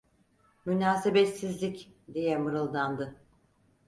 "Münasebetsizlik!" diye mırıldandı.